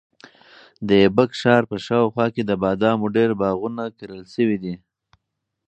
د ایبک ښار په شاوخوا کې د بادامو ډېر باغونه کرل شوي دي.